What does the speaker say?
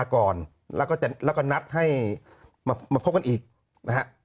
ก่อนแล้วก็จะแล้วก็นัดให้มาพบกันอีกนะฮะ